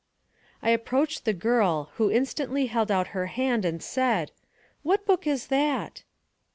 I approached the girl, who instantly held out her hand, and said :" What book is that?